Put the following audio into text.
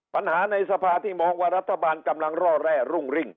ปัญหาในสภาที่มองว่ารัฐบาลกำลังร่อแร่รุ่งริ่ง